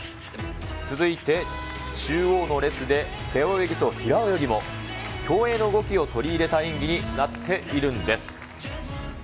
続いて、中央の列で背泳ぎと平泳ぎも、競泳の動きを取り入れた演技になっているんです。